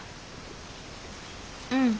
うん。